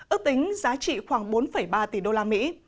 ước tính giá trị khoảng bốn ba tỷ đô la mỹ